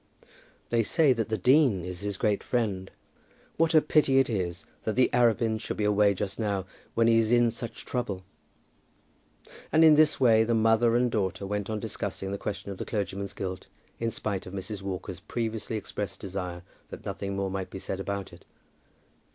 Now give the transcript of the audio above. "They say that the dean is his great friend." "What a pity it is that the Arabins should be away just now when he is in such trouble." And in this way the mother and daughter went on discussing the question of the clergyman's guilt in spite of Mrs. Walker's previously expressed desire that nothing more might be said about it.